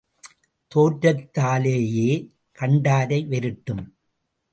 தோற்றத்தாலேயே கண்டாரை வெருட்டும்.